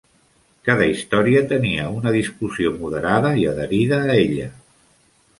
Cada història tenia una discussió moderada i adherida a ella.